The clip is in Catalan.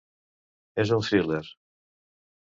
És un thriller.